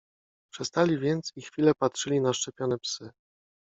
Przestali więc i chwilę patrzyli na szczepione psy.